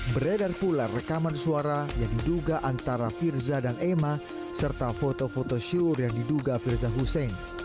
beredar pula rekaman suara yang diduga antara firza dan emma serta foto foto syur yang diduga firza husein